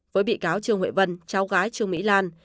với bị cáo trương huệ vân cháu gái trương mỹ lan